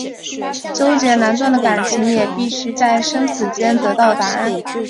纠结难断的情感也必须在生死间得到答案。